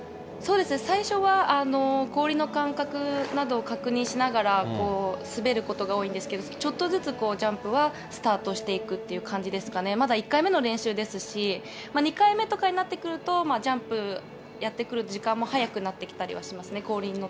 そうですね、最初は氷の感覚などを確認しながら滑ることが多いんですけど、ちょっとずつ、ジャンプはスタートしていくという感じですかね、まだ１回目の練習ですし、２回目とかになってくると、ジャンプやってくる時間も早くなってきたりとかはしますね。